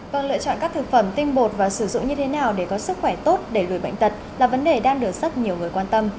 vâng lựa chọn các thực phẩm tinh bột và sử dụng như thế nào để có sức khỏe tốt đẩy lùi bệnh tật là vấn đề đang được rất nhiều người quan tâm